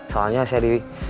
soalnya saya di